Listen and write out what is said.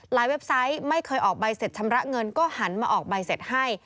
เว็บไซต์ไม่เคยออกใบเสร็จชำระเงินก็หันมาออกใบเสร็จให้